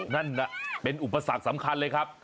นั่นน่ะเป็นอุปสรรคสำคัญเลยครับ